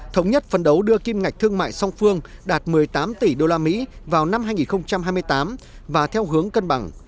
thống nhất phân đấu đưa kim ngạch thương mại song phương đạt một mươi tám tỷ usd vào năm hai nghìn hai mươi tám và theo hướng cân bằng